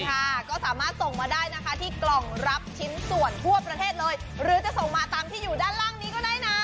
ค่ะก็สามารถส่งมาได้นะคะที่กล่องรับชิ้นส่วนทั่วประเทศเลยหรือจะส่งมาตามที่อยู่ด้านล่างนี้ก็ได้นะ